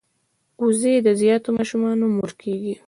وزې د زیاتو ماشومانو مور کیږي